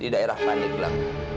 di daerah paniklah